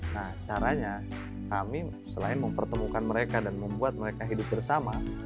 nah caranya kami selain mempertemukan mereka dan membuat mereka hidup bersama